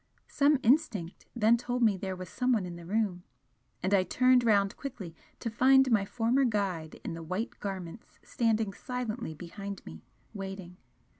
Some instinct then told me there was someone in the room, and I turned round quickly to find my former guide in the white garments standing silently behind me, waiting.